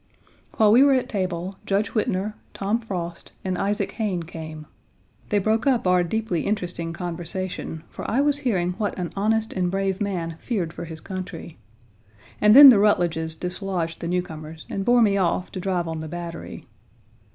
While we were at table, Judge Whitner, Tom Frost, and Isaac Hayne came. They broke up our deeply interesting conversation, for I was hearing what an honest and brave man feared for his country, and then the Rutledges dislodged the newcomers and bore me off to drive on the Battery.